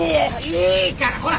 いいからほら！